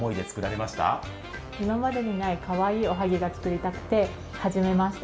今までにないかわいいおはぎを作りたくて始めました。